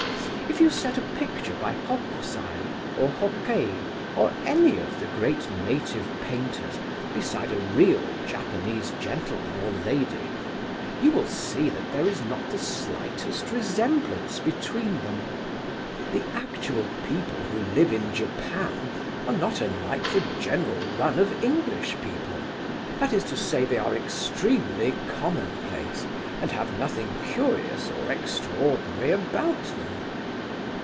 If you set a picture by Hokusai, or Hokkei, or any of the great native painters, beside a real Japanese gentleman or lady, you will see that there is not the slightest resemblance between them. The actual people who live in Japan are not unlike the general run of English people; that is to say, they are extremely commonplace, and have nothing curious or extraordinary about them.